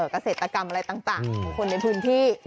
เกษตรกรรมอะไรต่างของคนในพื้นที่